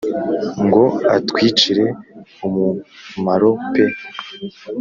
Ngo atwicire umumaro pe !